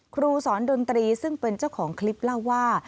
ครูสอนดนตรีซึ่งเป็นเจ้าของคลิปเล่าว่า